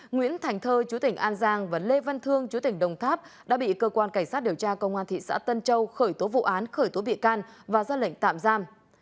nguyễn thành thơ chú tỉnh an giang và lê văn thương chú tỉnh đồng tháp đã bị cơ quan cảnh sát điều tra công an thị xã tân châu khởi tố vụ án khởi tố bị can và ra lệnh tạm giam